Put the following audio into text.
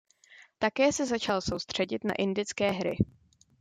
Také se začal soustředit na indické hry.